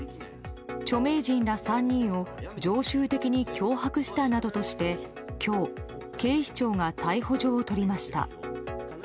著名人ら３人を常習的に脅迫したなどとして今日、警視庁が逮捕状を取りました。